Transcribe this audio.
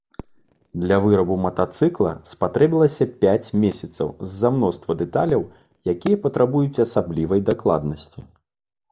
Для вырабу матацыкла спатрэбілася пяць месяцаў з-за мноства дэталяў, якія патрабуюць асаблівай дакладнасці.